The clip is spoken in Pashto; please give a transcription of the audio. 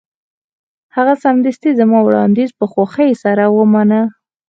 هغه سمدستي زما وړاندیز په خوښۍ سره ومانه